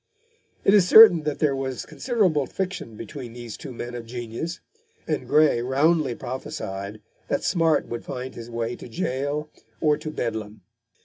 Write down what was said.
It is certain that there was considerable friction between these two men of genius, and Gray roundly prophesied that Smart would find his way to gaol or to Bedlam.